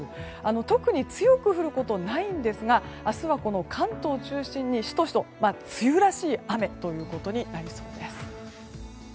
特に強く降ることないんですが明日は関東を中心にシトシトと梅雨らしい雨となりそうです。